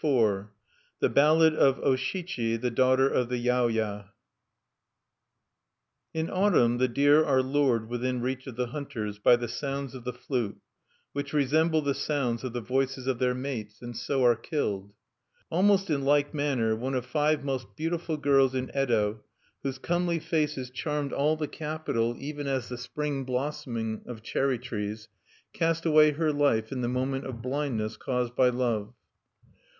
Fortunate!_ THE BALLAD OF O SHICHI, THE DAUGHTER OF THE YAOYA (1) In autumn the deer are lured within reach of the hunters by the sounds of the flute, which resemble the sounds of the voices of their mates, and so are killed. Almost in like manner, one of the five most beautiful girls in Yedo, whose comely faces charmed all the capital even as the spring blossoming of cherry trees, cast away her life in the moment of blindness caused by love.